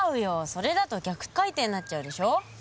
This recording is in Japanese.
それだと逆回転になっちゃうでしょ。